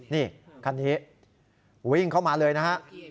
นี่คันนี้วิ่งเข้ามาเลยนะฮะ